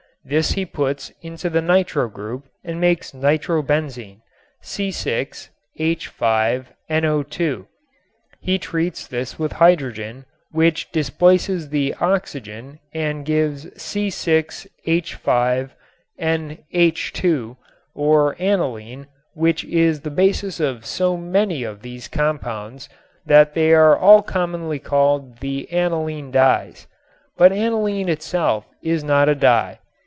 This he puts in the nitro group and makes nitro benzene, C_H_NO_. He treats this with hydrogen, which displaces the oxygen and gives C_H_NH_ or aniline, which is the basis of so many of these compounds that they are all commonly called "the aniline dyes." But aniline itself is not a dye.